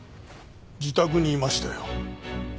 自宅にいましたよ。